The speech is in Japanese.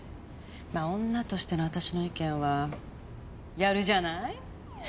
まあ女としての私の意見は「やるじゃない」